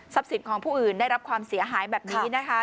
สินของผู้อื่นได้รับความเสียหายแบบนี้นะคะ